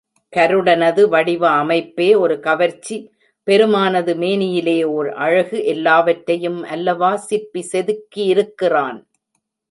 கருடனது வடிவ அமைப்பே ஒரு கவர்ச்சி பெருமானது மேனியிலே ஓர் அழகு எல்லாவற்றையும் அல்லவா சிற்பி செதுக்கியிருக்கிறான்.